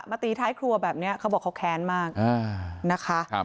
มาตีท้ายครัวแบบเนี้ยเขาบอกเขาแค้นมากอ่านะคะครับ